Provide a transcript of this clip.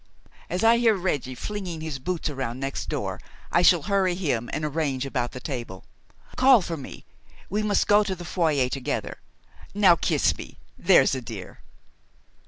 As I hear Reggie flinging his boots around next door, I shall hurry him and arrange about the table. Call for me. We must go to the foyer together. Now kiss me, there's a dear."